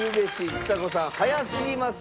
ちさ子さん早すぎます。